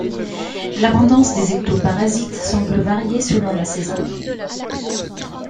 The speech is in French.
L'abondance des ectoparasites semble varier selon la saison.